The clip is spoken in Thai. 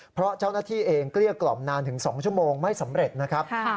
เพราะเจ้าหน้าที่เองเกลี้ยกล่อมนานถึง๒ชั่วโมงไม่สำเร็จนะครับ